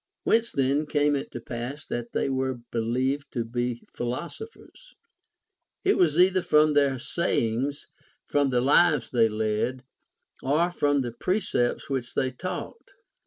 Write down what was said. \Vhence then came it to pass that they Avere belicA^ed to be philosophers 1 It was either from their sayings, from the lives they led, or from the precepts which they taught.